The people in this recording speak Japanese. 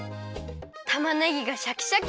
たまねぎがシャキシャキ！